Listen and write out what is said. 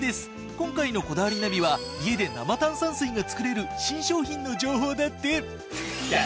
今回の『こだわりナビ』は家で生炭酸水が作れる新商品の情報だって！